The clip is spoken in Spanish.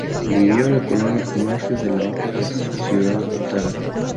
Vivió en la colonia Barrio de la Hoja de su ciudad natal.